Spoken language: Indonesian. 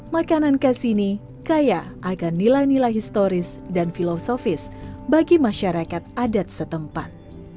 makanan khas ini kaya agar nilai nilai historis dan filosofis bagi masyarakat adat setempat